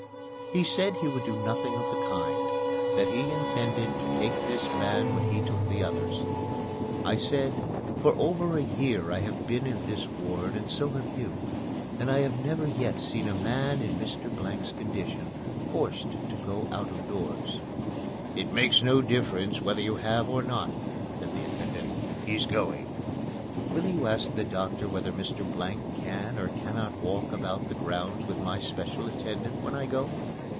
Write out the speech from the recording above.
He said he would do nothing of the kind that he intended to take this man when he took the others. I said, "For over a year I have been in this ward and so have you, and I have never yet seen a man in Mr. Blank's condition forced to go out of doors." "It makes no difference whether you have or not," said the attendant, "he's going." "Will you ask the doctor whether Mr. Blank can or cannot walk about the grounds with my special attendant when I go?"